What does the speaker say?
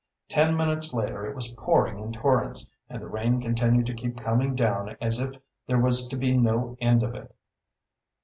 Ten minutes later it was pouring in torrents, and the rain continued to keep coming down as if there was to be no end of it.